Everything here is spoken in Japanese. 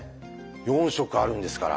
４色あるんですから。